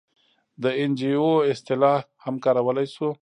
د این جي او اصطلاح هم کارولی شو.